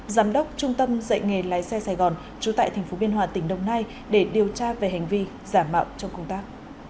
giám đốc trung tâm dạy nghề lái xe sài gòn trú tại tp biên hòa tỉnh đồng nai để điều tra về hành vi giả mạo trong công tác